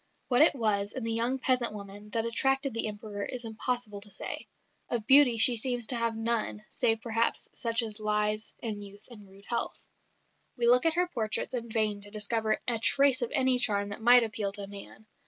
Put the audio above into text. What it was in the young peasant woman that attracted the Emperor it is impossible to say. Of beauty she seems to have had none save perhaps such as lies in youth and rude health. We look at her portraits in vain to discover a trace of any charm that might appeal to man.